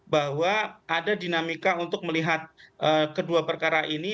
bahwa ada dinamika untuk melihat kedua perkara ini